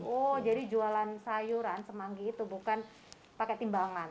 oh jadi jualan sayuran semanggi itu bukan pakai timbangan